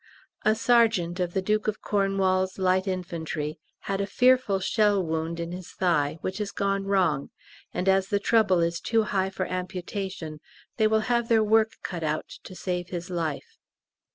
A sergeant of the D.C.L.I. had a fearful shell wound in his thigh, which has gone wrong, and as the trouble is too high for amputation they will have their work cut out to save his life.